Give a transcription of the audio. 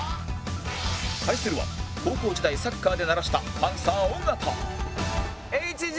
対するは高校時代サッカーで鳴らしたパンサー尾形ＨＧ